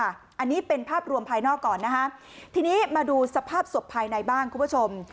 อันนี้เป็นภาพรวมภายนอกก่อนนะฮะทีนี้มาดูสภาพศพภายในบ้างคุณผู้ชม